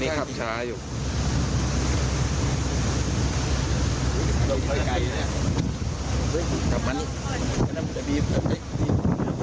เดี๋ยวเราต้องจับมัน